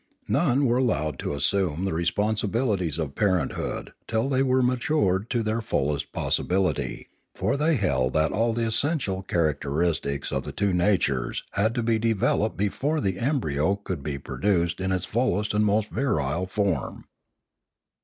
None were allowed to assume the responsibilities of parenthood till they were matured to their fullest pos sibility; for they held that all the essential characteris tics of the two natures had to be developed before the embryo could be produced in its fullest and most virile form.